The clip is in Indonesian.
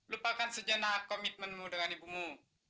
lupakan sejenak komitmenmu dengan ibumu